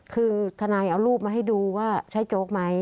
คือทนายเอารูปมาให้ดูว่าใช่โจ๊กไหม